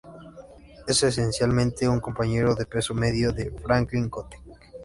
Es esencialmente un compañero de peso medio de "Franklin Gothic".